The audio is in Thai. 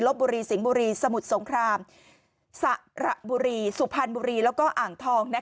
บุรีสิงห์บุรีสมุทรสงครามสระบุรีสุพรรณบุรีแล้วก็อ่างทอง